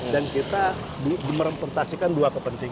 dan kita merepresentasikan dua kepentingan